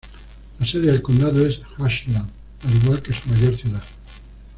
La sede del condado es Ashland, al igual que su mayor ciudad.